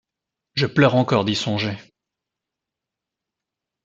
Je pleure encore d’y songer.